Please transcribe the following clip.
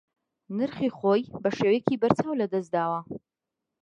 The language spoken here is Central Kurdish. نرخی خۆی بە شێوەیەکی بەرچاو لەدەست داوە